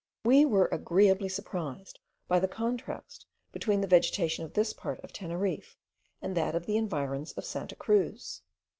We were agreeably surprised by the contrast between the vegetation of this part of Teneriffe, and that of the environs of Santa Cruz.